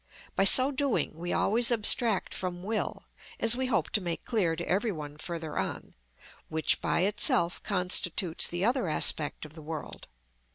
By so doing we always abstract from will (as we hope to make clear to every one further on), which by itself constitutes the other aspect of the world.